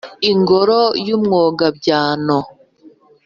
Ingoro y' Umwogabyano !